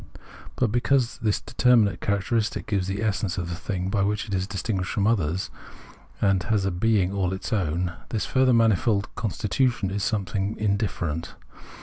But because the determinate characteristic gives the essence of the thing, by which it is distinguished from others, and has a being all its own, this further manifold constitution is something indifferent.